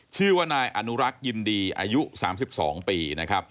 ชื่อว่านายอนุรักษ์ยินดีอายุ๓๒ปีนะครับ